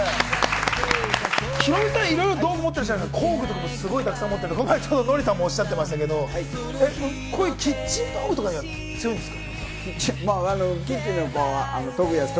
ヒロミさん、いろいろ道具持ってらっしゃるけれども、工具とかも持ってるけれども、ノリさんもおっしゃってましたけれども、こういうキッチン物とか強いんですか？